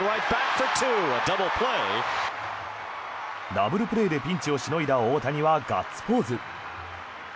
ダブルプレーでピンチをしのいだ大谷はガッツポーズ。